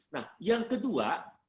nah yang kedua